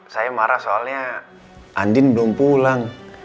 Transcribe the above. saya marah soalnya andin belum pulang